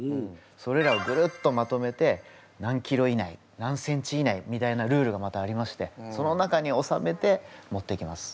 それらをグルッとまとめて何ｋｇ以内何ｃｍ以内みたいなルールがまたありましてその中におさめて持っていきます。